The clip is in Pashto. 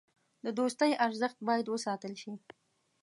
د دوستۍ ارزښت باید وساتل شي.